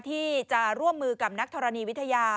ที่จะร่วมมือกับนักธรณีวิทยา